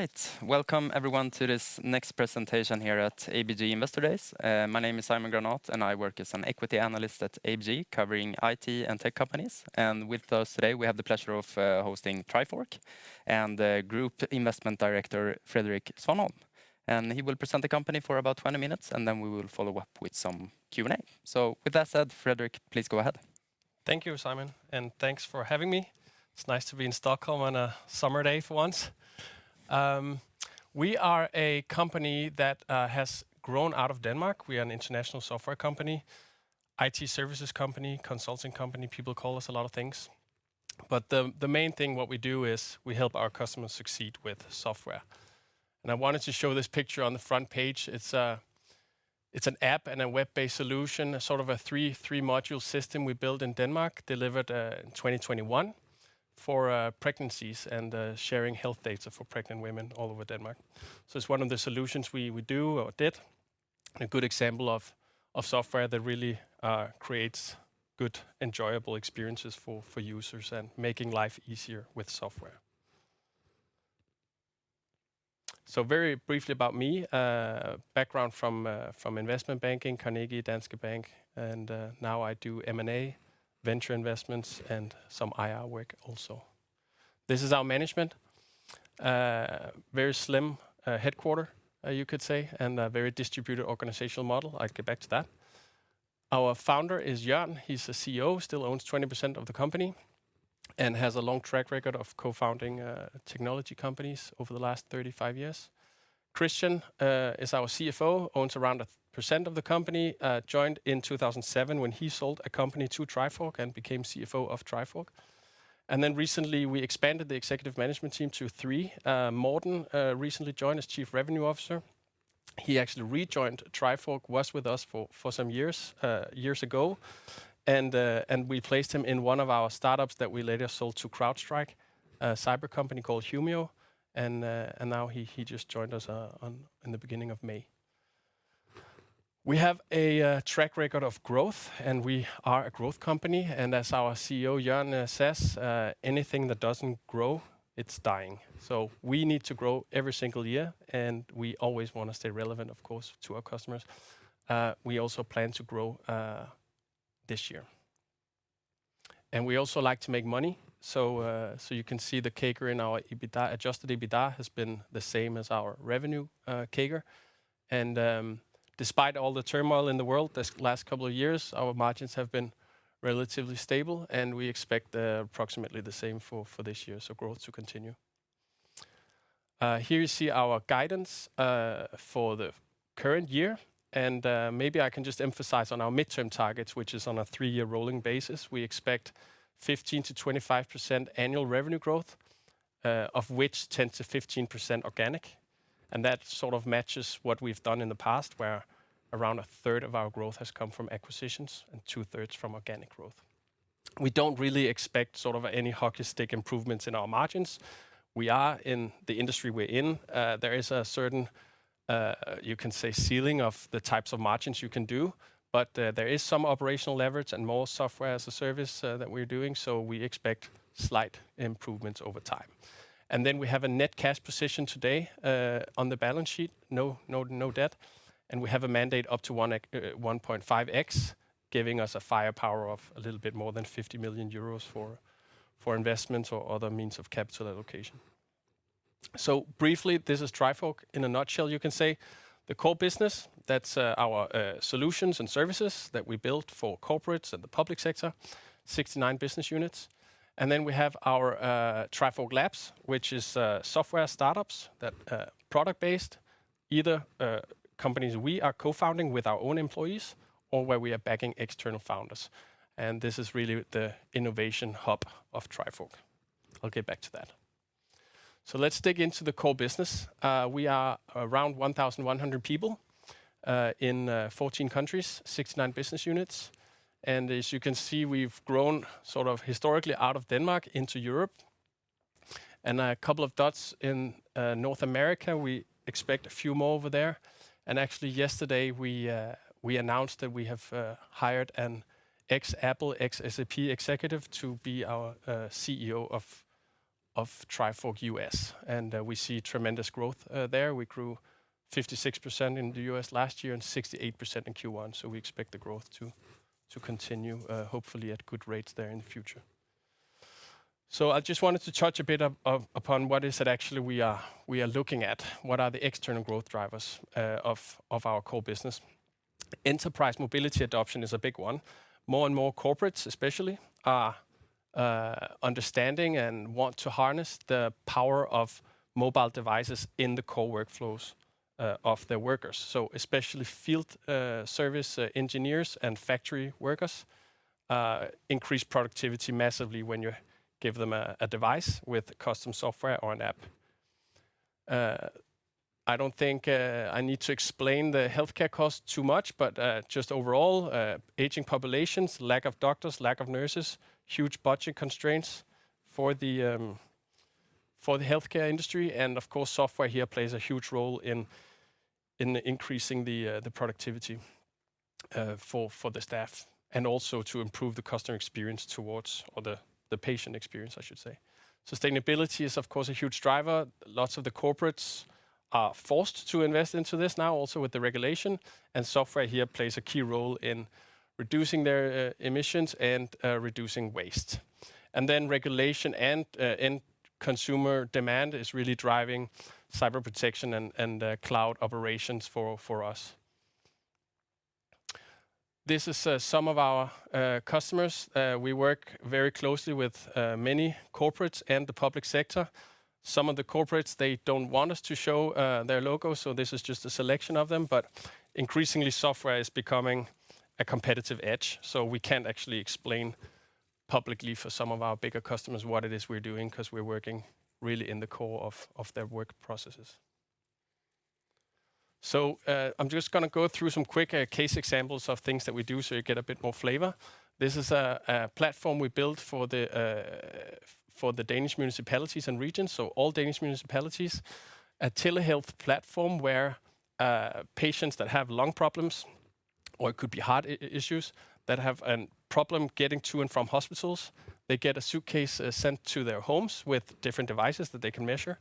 All right. Welcome everyone to this next presentation here at ABG Investor Days. My name is Simon Granath, and I work as an equity analyst at ABG, covering IT and tech companies, and with us today, we have the pleasure of hosting Trifork, and the group investment director, Frederik Svanholm, and he will present the company for about 20 minutes, and then we will follow up with some Q&A, so with that said, Frederik, please go ahead. Thank you, Simon, and thanks for having me. It's nice to be in Stockholm on a summer day for once. We are a company that has grown out of Denmark. We are an international software company, IT services company, consulting company. People call us a lot of things, but the main thing what we do is we help our customers succeed with software. I wanted to show this picture on the front page. It's an app and a web-based solution, a sort of a three-module system we built in Denmark, delivered in 2021, for pregnancies and sharing health data for pregnant women all over Denmark. So it's one of the solutions we do or did, a good example of software that really creates good, enjoyable experiences for users and making life easier with software. Very briefly about me, background from investment banking, Carnegie, Danske Bank, and now I do M&A, venture investments, and some IR work also. This is our management. Very slim headquarters, you could say, and a very distributed organizational model. I'll get back to that. Our founder is Jørn. He's the CEO, still owns 20% of the company, and has a long track record of co-founding technology companies over the last 35 years. Kristian is our CFO, owns around 1% of the company, joined in 2007 when he sold a company to Trifork and became CFO of Trifork. Then recently, we expanded the executive management team to three. Morten recently joined as Chief Revenue Officer. He actually rejoined Trifork, was with us for some years, years ago. We placed him in one of our startups that we later sold to CrowdStrike, a cyber company called Humio, and now he just joined us in the beginning of May. We have a track record of growth, and we are a growth company, and as our CEO, Jørn, says, "Anything that doesn't grow, it's dying." So we need to grow every single year, and we always wanna stay relevant, of course, to our customers. We also plan to grow this year, and we also like to make money, so you can see the CAGR in our EBITDA. Adjusted EBITDA has been the same as our revenue CAGR, and despite all the turmoil in the world this last couple of years, our margins have been relatively stable, and we expect approximately the same for this year, so growth to continue. Here you see our guidance for the current year, and maybe I can just emphasize on our midterm targets, which is on a three-year rolling basis. We expect 15%-25% annual revenue growth, of which 10%-15% organic, and that sort of matches what we've done in the past, where around a third of our growth has come from acquisitions and two-thirds from organic growth. We don't really expect sort of any hockey stick improvements in our margins. We are in the industry we're in. There is a certain, you can say, ceiling of the types of margins you can do, but there is some operational leverage and more software as a service that we're doing, so we expect slight improvements over time. And then we have a net cash position today on the balance sheet, no, no, no debt, and we have a mandate up to 1.5x, giving us a firepower of a little bit more than 50 million euros for investments or other means of capital allocation. So briefly, this is Trifork in a nutshell, you can say. The core business, that's our solutions and services that we built for corporates and the public sector, 69 business units. And then we have our Trifork Labs, which is software startups that product-based, either companies we are co-founding with our own employees or where we are backing external founders, and this is really the innovation hub of Trifork. I'll get back to that. Let's dig into the core business. We are around 1,100 people in 14 countries, 69 business units, and as you can see, we've grown sort of historically out of Denmark into Europe. A couple of dots in North America, we expect a few more over there, and actually yesterday we announced that we have hired an ex-Apple, ex-SAP executive to be our CEO of Trifork US. We see tremendous growth there. We grew 56% in the US last year and 68% in Q1, so we expect the growth to continue, hopefully at good rates there in the future. So I just wanted to touch a bit upon what it actually is we are looking at, what are the external growth drivers of our core business? Enterprise mobility adoption is a big one. More and more corporates, especially, are understanding and want to harness the power of mobile devices in the core workflows of their workers. So especially field service engineers and factory workers increase productivity massively when you give them a device with custom software or an app. I don't think I need to explain the healthcare cost too much, but just overall, aging populations, lack of doctors, lack of nurses, huge budget constraints for the healthcare industry, and of course, software here plays a huge role in increasing the productivity for the staff, and also to improve the customer experience towards, or the patient experience, I should say. Sustainability is, of course, a huge driver. Lots of the corporates are forced to invest into this now, also with the regulation, and software here plays a key role in reducing their emissions and reducing waste. Then regulation and end consumer demand is really driving Cyber Protection and Cloud Operations for us. This is some of our customers. We work very closely with many corporates and the public sector. Some of the corporates, they don't want us to show their logo, so this is just a selection of them. But increasingly, software is becoming a competitive edge, so we can't actually explain publicly for some of our bigger customers what it is we're doing, 'cause we're working really in the core of their work processes. So I'm just gonna go through some quick case examples of things that we do so you get a bit more flavor. This is a platform we built for the Danish municipalities and regions, so all Danish municipalities. A telehealth platform where patients that have lung problems, or it could be heart issues, that have a problem getting to and from hospitals, they get a suitcase sent to their homes with different devices that they can measure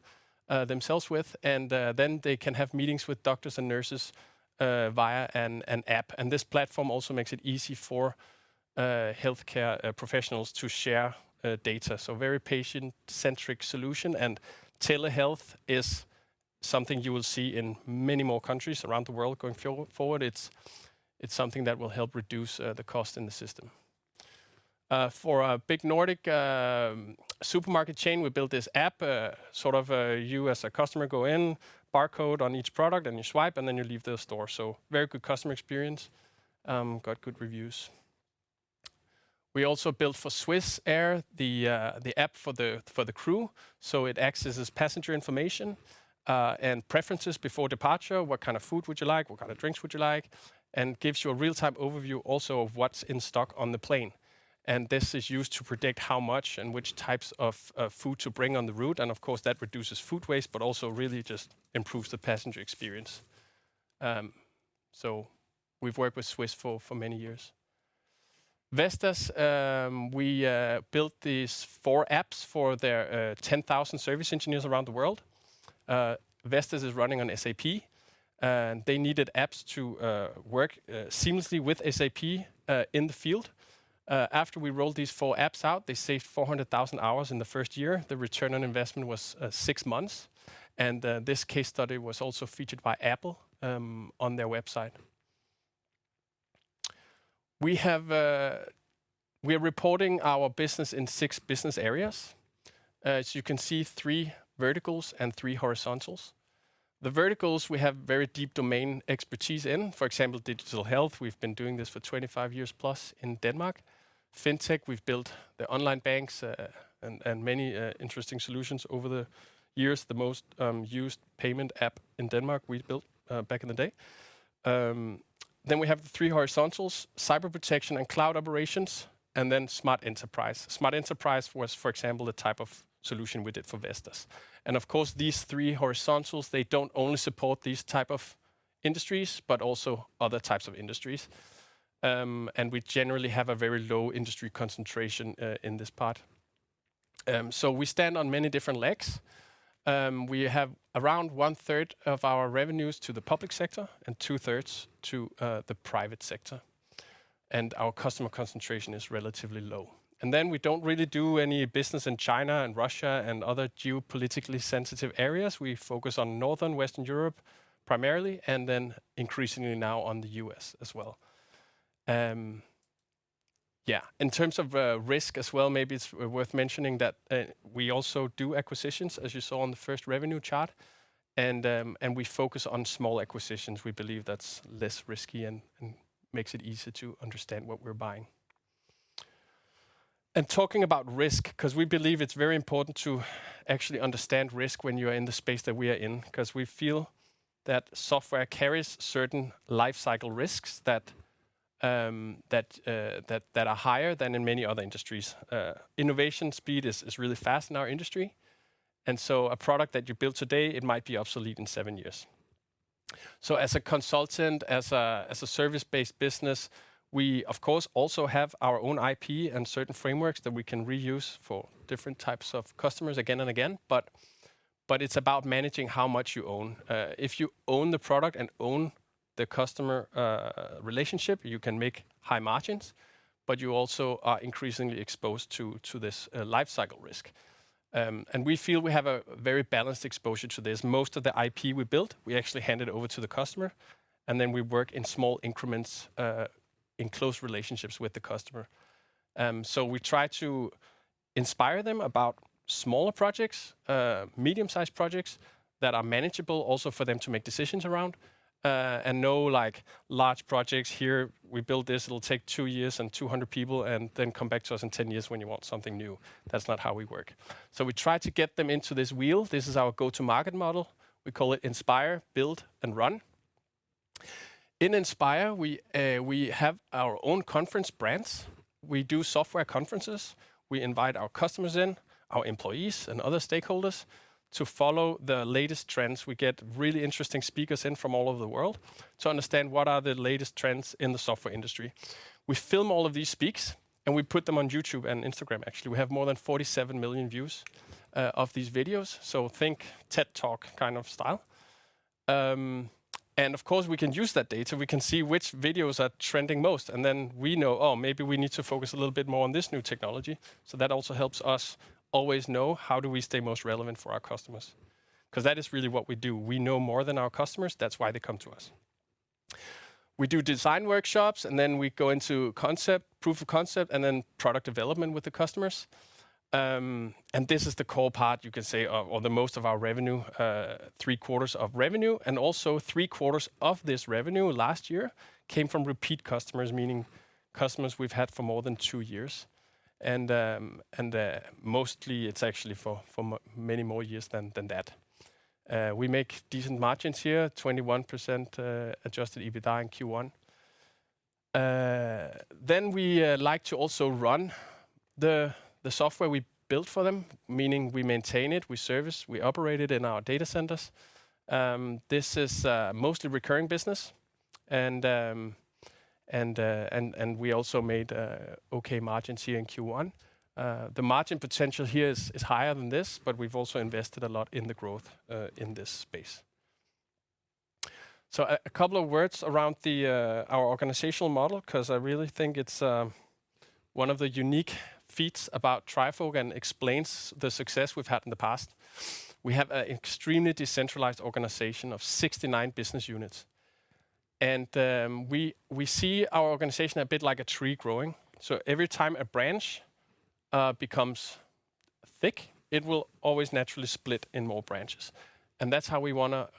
themselves with, and then they can have meetings with doctors and nurses via an app, and this platform also makes it easy for healthcare professionals to share data, so very patient-centric solution, and telehealth is something you will see in many more countries around the world going forward. It's something that will help reduce the cost in the system. For a big Nordic supermarket chain, we built this app. Sort of, you, as a customer, go in, barcode on each product, and you swipe, and then you leave the store, so very good customer experience. Got good reviews. We also built for Swiss Air, the app for the crew. So it accesses passenger information and preferences before departure. What kind of food would you like? What kind of drinks would you like? And gives you a real-time overview also of what's in stock on the plane, and this is used to predict how much and which types of food to bring on the route, and of course, that reduces food waste, but also really just improves the passenger experience. So we've worked with Swiss for many years. Vestas, we built these four apps for their 10,000 service engineers around the world. Vestas is running on SAP, and they needed apps to work seamlessly with SAP in the field. After we rolled these four apps out, they saved 400,000 hours in the first year. The return on investment was six months, and this case study was also featured by Apple on their website. We are reporting our business in six business areas. So you can see three verticals and three horizontals. The verticals, we have very deep domain expertise in, for example, Digital Health. We've been doing this for 25 years plus in Denmark. Fintech, we've built the online banks, and many interesting solutions over the years. The most used payment app in Denmark, we built back in the day. Then we have the three horizontals: Cyber Protection and Cloud Operations, and then Smart Enterprise. Smart enterprise was, for example, the type of solution we did for Vestas. And of course, these three horizontals, they don't only support these type of industries, but also other types of industries, and we generally have a very low industry concentration, in this part. So we stand on many different legs. We have around one third of our revenues to the public sector and two thirds to the private sector, and our customer concentration is relatively low. And then we don't really do any business in China and Russia and other geopolitically sensitive areas. We focus on Northern and Western Europe primarily, and then increasingly now on the U.S. as well. Yeah, in terms of risk as well, maybe it's worth mentioning that we also do acquisitions, as you saw on the first revenue chart, and we focus on small acquisitions. We believe that's less risky and makes it easier to understand what we're buying. And talking about risk, 'cause we believe it's very important to actually understand risk when you are in the space that we are in, 'cause we feel that software carries certain life cycle risks that are higher than in many other industries. Innovation speed is really fast in our industry, and so a product that you build today, it might be obsolete in seven years. So as a consultant, a service-based business, we, of course, also have our own IP and certain frameworks that we can reuse for different types of customers again and again, but it's about managing how much you own. If you own the product and own the customer relationship, you can make high margins, but you also are increasingly exposed to this life cycle risk. And we feel we have a very balanced exposure to this. Most of the IP we built, we actually handed over to the customer, and then we work in small increments in close relationships with the customer. So we try to inspire them about smaller projects, medium-sized projects, that are manageable also for them to make decisions around. And no, like, large projects, "Here, we build this, it'll take two years and 200 people, and then come back to us in ten years when you want something new." That's not how we work. So we try to get them into this wheel. This is our go-to market model. We call it Inspire, Build, and Run. In Inspire, we have our own conference brands. We do software conferences. We invite our customers in, our employees, and other stakeholders, to follow the latest trends. We get really interesting speakers in from all over the world, to understand what are the latest trends in the software industry. We film all of these speeches, and we put them on YouTube and Instagram. Actually, we have more than 47 million views of these videos, so think TED Talk kind of style. And of course, we can use that data. We can see which videos are trending most, and then we know, "Oh, maybe we need to focus a little bit more on this new technology." So that also helps us always know how do we stay most relevant for our customers, 'cause that is really what we do. We know more than our customers, that's why they come to us. We do design workshops, and then we go into concept, proof of concept, and then product development with the customers. And this is the core part, you can say, of the most of our revenue, three quarters of revenue, and also three quarters of this revenue last year came from repeat customers, meaning customers we've had for more than two years. Mostly it's actually for many more years than that. We make decent margins here, 21% adjusted EBITDA in Q1. Then we like to also run the software we built for them, meaning we maintain it, we service, we operate it in our data centers. This is mostly recurring business, and we also made okay margins here in Q1. The margin potential here is higher than this, but we've also invested a lot in the growth in this space. So a couple of words around our organizational model, 'cause I really think it's one of the unique feats about Trifork and explains the success we've had in the past. We have a extremely decentralized organization of 69 business units, and we see our organization a bit like a tree growing. Every time a branch becomes thick, it will always naturally split in more branches, and that's how we wanna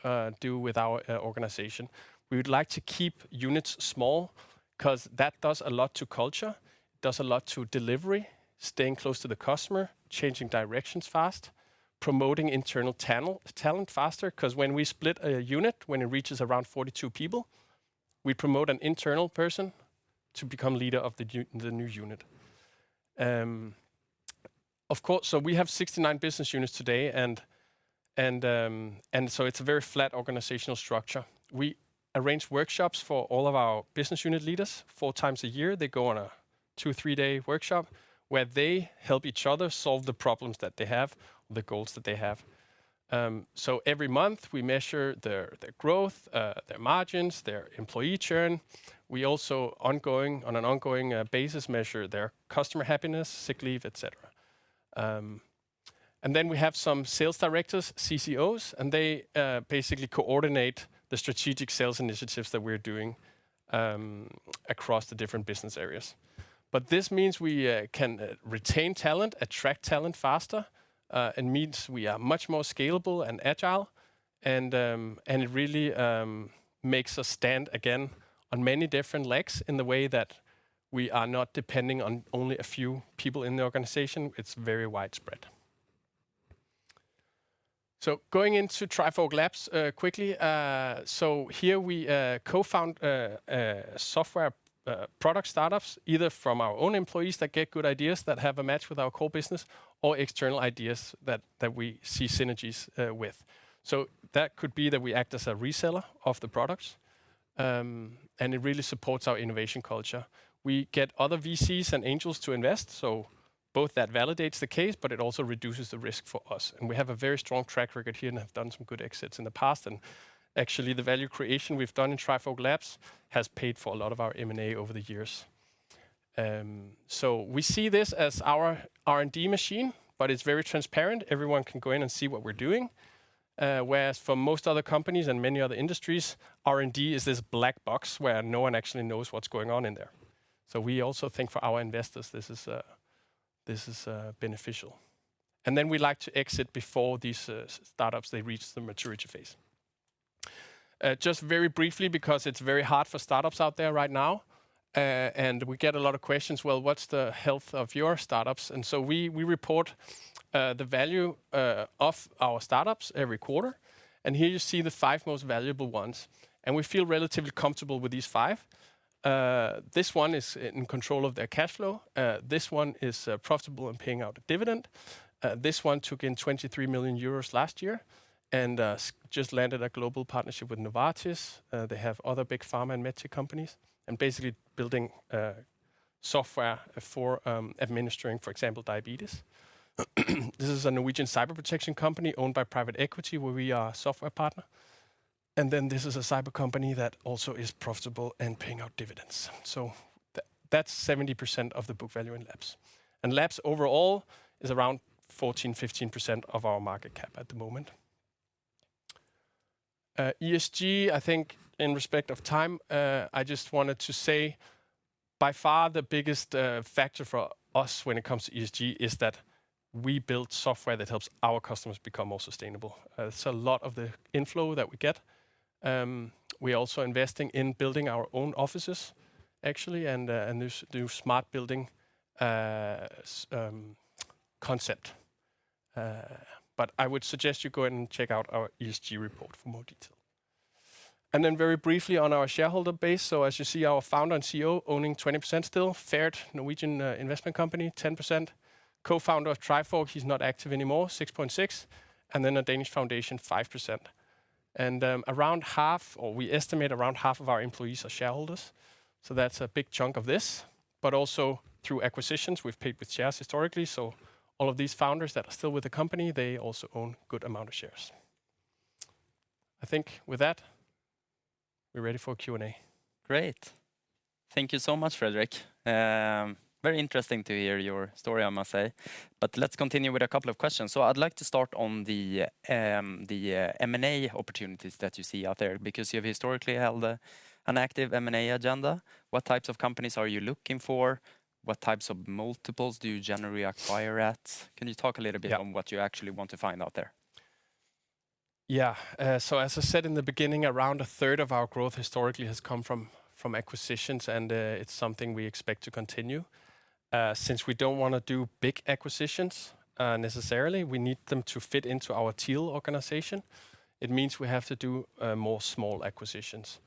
do with our organization. We would like to keep units small, 'cause that does a lot to culture, does a lot to delivery, staying close to the customer, changing directions fast, promoting internal talent faster, 'cause when we split a unit, when it reaches around 42 people, we promote an internal person to become leader of the new unit. Of course, so we have 69 business units today, and so it's a very flat organizational structure. We arrange workshops for all of our business unit leaders. 4x a year, they go on a two, three-day workshop, where they help each other solve the problems that they have, the goals that they have. So every month, we measure their growth, their margins, their employee churn. We also, on an ongoing basis, measure their customer happiness, sick leave, et cetera. And then we have some sales directors, CCOs, and they basically coordinate the strategic sales initiatives that we're doing across the different business areas. But this means we can retain talent, attract talent faster, and means we are much more scalable and agile, and it really makes us stand again on many different legs in the way that we are not depending on only a few people in the organization. It's very widespread. So going into Trifork Labs quickly. So here we co-found software product startups, either from our own employees that get good ideas that have a match with our core business, or external ideas that we see synergies with. So that could be that we act as a reseller of the products, and it really supports our innovation culture. We get other VCs and angels to invest, so both that validates the case, but it also reduces the risk for us. And we have a very strong track record here, and have done some good exits in the past. And actually, the value creation we've done in Trifork Labs has paid for a lot of our M&A over the years. So we see this as our R&D machine, but it's very transparent. Everyone can go in and see what we're doing. Whereas for most other companies and many other industries, R&D is this black box, where no one actually knows what's going on in there. So we also think for our investors, this is beneficial. And then we like to exit before these startups reach the maturity phase. Just very briefly, because it's very hard for startups out there right now, and we get a lot of questions, "Well, what's the health of your startups?" And so we report the value of our startups every quarter, and here you see the five most valuable ones. And we feel relatively comfortable with these five. This one is in control of their cash flow. This one is profitable and paying out a dividend. This one took in 23 million euros last year and just landed a global partnership with Novartis. They have other big pharma and medtech companies, and basically building software for administering, for example, diabetes. This is a Norwegian cyber protection company owned by private equity, where we are a software partner. And then this is a cyber company that also is profitable and paying out dividends. So that's 70% of the book value in Labs. And Labs overall is around 14%-15% of our market cap at the moment. ESG, I think in respect of time, I just wanted to say, by far, the biggest factor for us when it comes to ESG is that we build software that helps our customers become more sustainable. So a lot of the inflow that we get, we're also investing in building our own offices, actually, and this new smart building concept. But I would suggest you go and check out our ESG report for more detail. And then very briefly on our shareholder base. So as you see, our founder and CEO owning 20% still, Ferd, Norwegian investment company, 10%, co-founder of Trifork, he's not active anymore, 6.6%, and then a Danish foundation, 5%. And around half, or we estimate around half of our employees are shareholders, so that's a big chunk of this. But also, through acquisitions, we've paid with shares historically, so all of these founders that are still with the company, they also own good amount of shares. I think with that, we're ready for Q&A. Great. Thank you so much, Frederik. Very interesting to hear your story, I must say. But let's continue with a couple of questions. So I'd like to start on the M&A opportunities that you see out there, because you've historically held an active M&A agenda. What types of companies are you looking for? What types of multiples do you generally acquire at? Can you talk a little bit- Yeah... on what you actually want to find out there? Yeah, so as I said in the beginning, around a third of our growth historically has come from acquisitions, and it's something we expect to continue. Since we don't wanna do big acquisitions, necessarily, we need them to fit into our Teal organization, it means we have to do more small acquisitions.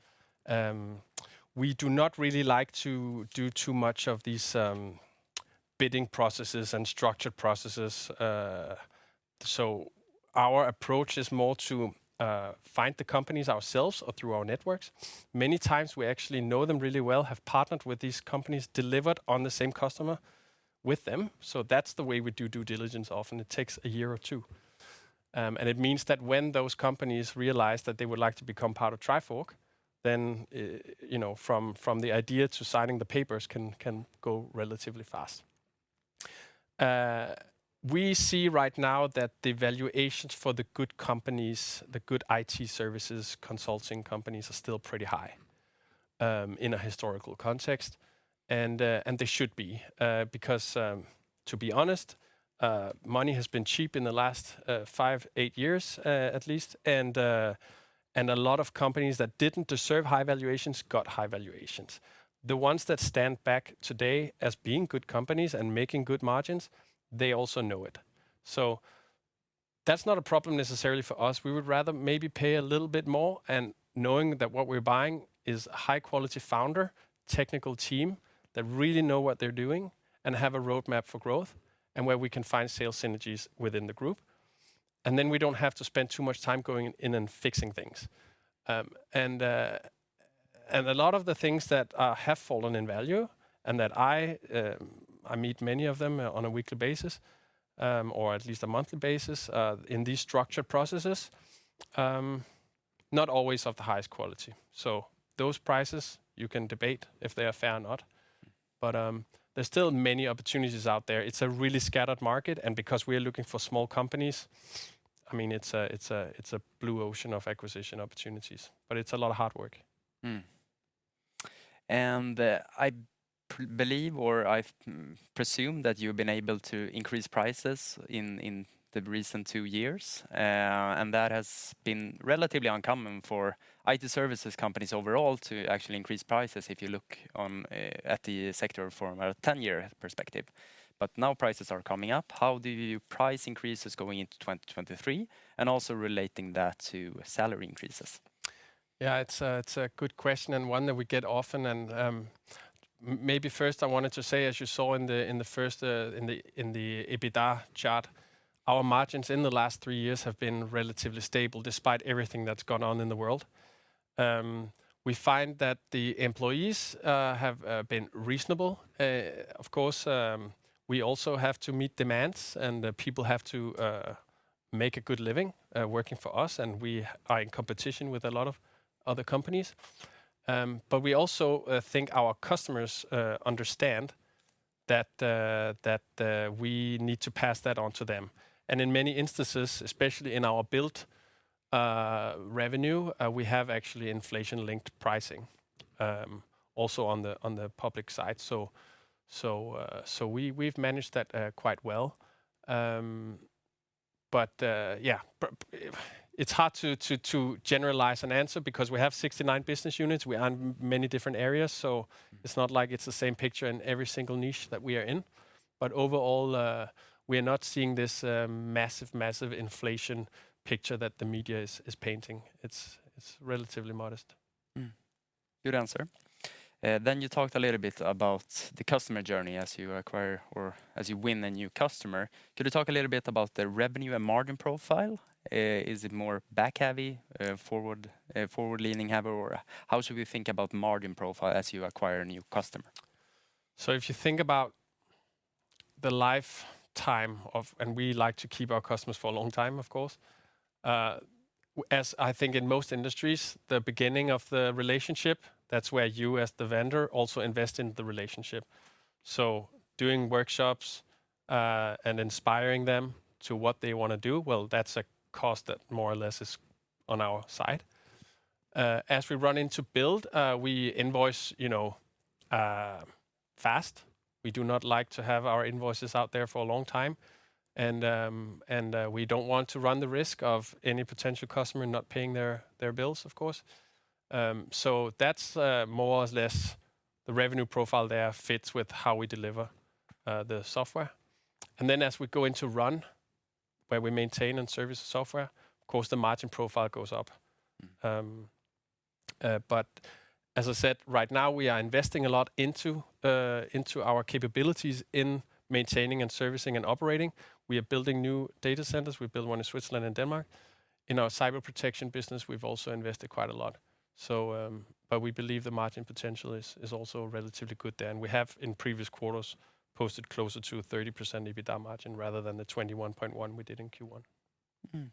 We do not really like to do too much of these bidding processes and structured processes. So our approach is more to find the companies ourselves or through our networks. Many times we actually know them really well, have partnered with these companies, delivered on the same customer with them, so that's the way we do due diligence. Often it takes a year or two. And it means that when those companies realize that they would like to become part of Trifork, then you know, from the idea to signing the papers can go relatively fast. We see right now that the valuations for the good companies, the good IT services consulting companies, are still pretty high, in a historical context, and they should be. Because, to be honest, money has been cheap in the last five, eight years, at least, and a lot of companies that didn't deserve high valuations got high valuations. The ones that stand back today as being good companies and making good margins, they also know it. So that's not a problem necessarily for us. We would rather maybe pay a little bit more and knowing that what we're buying is a high-quality founder, technical team, that really know what they're doing and have a roadmap for growth, and where we can find sales synergies within the group, and then we don't have to spend too much time going in and fixing things. A lot of the things that have fallen in value and that I meet many of them on a weekly basis, or at least a monthly basis, in these structured processes, not always of the highest quality, so those prices, you can debate if they are fair or not, but there's still many opportunities out there. It's a really scattered market, and because we are looking for small companies, I mean, it's a blue ocean of acquisition opportunities, but it's a lot of hard work. I believe, or I've presumed, that you've been able to increase prices in the recent two years, and that has been relatively uncommon for IT services companies overall to actually increase prices if you look at the sector from a 10-year perspective. But now prices are coming up. How do you price increases going into 2023, and also relating that to salary increases? Yeah, it's a good question and one that we get often, and maybe first I wanted to say, as you saw in the first EBITDA chart, our margins in the last three years have been relatively stable, despite everything that's gone on in the world. We find that the employees have been reasonable. Of course, we also have to meet demands, and the people have to make a good living working for us, and we are in competition with a lot of other companies. But we also think our customers understand that we need to pass that on to them. And in many instances, especially in our build revenue, we have actually inflation-linked pricing, also on the public side. We've managed that quite well, but yeah, it's hard to generalize and answer because we have 69 business units. We are in many different areas, so it's not like it's the same picture in every single niche that we are in. But overall, we are not seeing this massive, massive inflation picture that the media is painting. It's relatively modest. Good answer. Then you talked a little bit about the customer journey as you acquire or as you win a new customer. Could you talk a little bit about the revenue and margin profile? Is it more back heavy, forward, forward-leaning heavy, or how should we think about margin profile as you acquire a new customer? So if you think about the lifetime of... And we like to keep our customers for a long time, of course. As I think in most industries, the beginning of the relationship, that's where you, as the vendor, also invest in the relationship. So doing workshops, and inspiring them to what they wanna do, well, that's a cost that more or less is on our side. As we run into build, we invoice, you know, fast. We do not like to have our invoices out there for a long time, and we don't want to run the risk of any potential customer not paying their bills, of course. So that's more or less the revenue profile there fits with how we deliver the software. And then as we go into run-... where we maintain and service software, of course, the margin profile goes up. Mm-hmm. But as I said, right now we are investing a lot into our capabilities in maintaining and servicing and operating. We are building new data centers. We built one in Switzerland and Denmark. In our Cyber Protection business, we've also invested quite a lot, so but we believe the margin potential is also relatively good there, and we have, in previous quarters, posted closer to a 30% EBITDA margin rather than the 21.1% we did in Q1. Mm-hmm.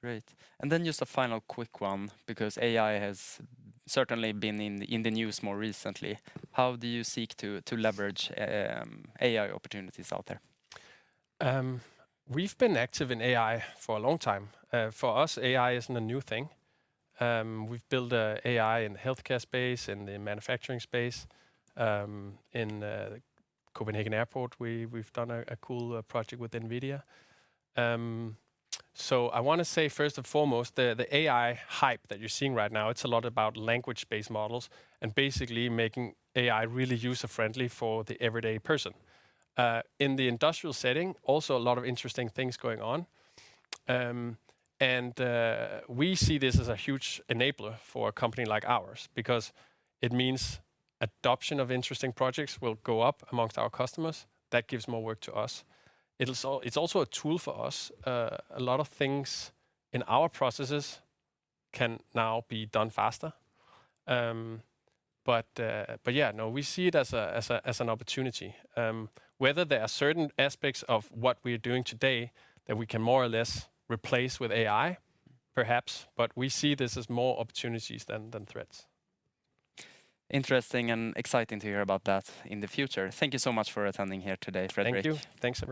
Great. And then just a final quick one, because AI has certainly been in the news more recently. How do you seek to leverage AI opportunities out there? We've been active in AI for a long time. For us, AI isn't a new thing. We've built an AI in the healthcare space, in the manufacturing space, in Copenhagen Airport, we've done a cool project with NVIDIA. So I want to say, first and foremost, the AI hype that you're seeing right now, it's a lot about language-based models, and basically making AI really user-friendly for the everyday person. In the industrial setting, also a lot of interesting things going on. We see this as a huge enabler for a company like ours, because it means adoption of interesting projects will go up amongst our customers. That gives more work to us. It's also a tool for us. A lot of things in our processes can now be done faster. Yeah, no, we see it as an opportunity. Whether there are certain aspects of what we're doing today that we can more or less replace with AI, perhaps, but we see this as more opportunities than threats. Interesting and exciting to hear about that in the future. Thank you so much for attending here today, Frederik. Thank you. Thanks, Simon.